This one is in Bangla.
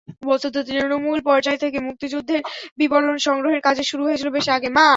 বস্তুত তৃণমূল পর্যায় থেকে মুক্তিযুদ্ধের বিবরণ সংগ্রহের কাজের শুরু হয়েছিল বেশ আগে।